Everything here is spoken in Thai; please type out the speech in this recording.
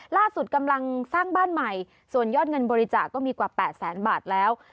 ล่าสุดกำลังสร้างบ้านใหม่ส่วนยอดเงินบริจาคก็มีกว่า๘แสนบาทแล้ว